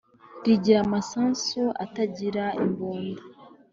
Rigira amasasu atagira imbunda